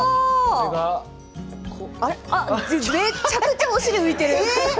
めちゃくちゃお尻が浮いている。